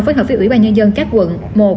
phối hợp với ủy ban nhân dân các quận